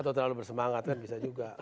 atau terlalu bersemangat kan bisa juga